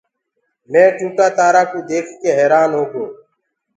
مينٚ ٽوٽآ تآرآ ڪوُ ديک ڪيٚ حيرآن هوگو۔